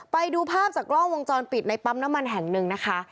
ไปดูภาพจากกล้องวงจรปิดในปั๊มน้ำมันแห่งหนึ่งนะคะ